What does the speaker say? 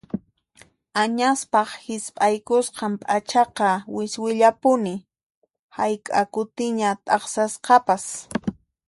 Añaspaq hisp'aykusqan p'achaqa wiswillapuni hayk'a kutiña t'aqsasqapas.